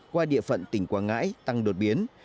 qua địa phận tỉnh quảng ngãi tăng đột biến